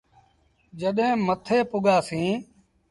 جڏهيݩ مٿي پُڳآسيٚݩ۔